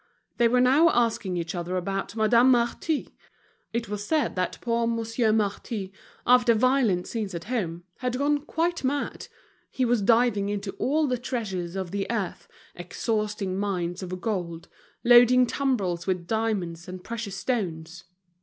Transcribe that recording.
They were now asking each other about Madame Marty; it was said that poor Monsieur Marty, after violent scenes at home, had gone quite mad; he was diving into all the treasures of the earth, exhausting mines of gold, loading tumbrels with diamonds and precious stones.